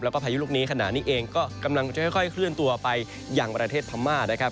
แล้วก็พายุลูกนี้ขณะนี้เองก็กำลังจะค่อยเคลื่อนตัวไปอย่างประเทศพม่านะครับ